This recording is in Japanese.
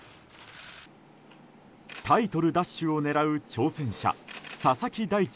タイトル奪取を狙う挑戦者佐々木大地